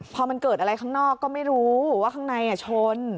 พอมันเกิดอะไรข้างนอกก็ไม่รู้ว่าข้างในชน